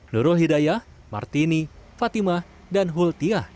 nurul hidayah martini fatimah dan hultiah